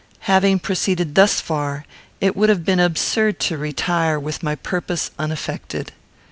Having proceeded thus far, it would have been absurd to retire with my purpose uneffected.